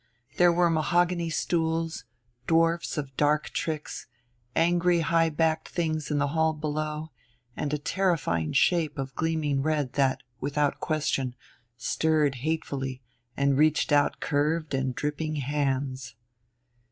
There were mahogany stools, dwarfs of dark tricks; angry high backed things in the hall below; and a terrifying shape of gleaming red that, without question, stirred hatefully and reached out curved and dripping hands.